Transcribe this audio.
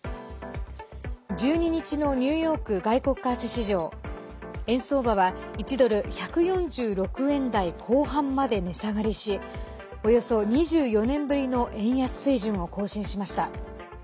１２日のニューヨーク外国為替市場円相場は１ドル＝１４６円台後半まで値下がりしおよそ２４年ぶりの円安水準を更新しました。